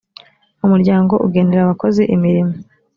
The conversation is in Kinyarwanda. umuryango ugenera abakozi imirimo